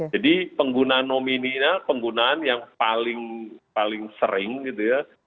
jadi penggunaan nomininya penggunaan yang paling sering gitu ya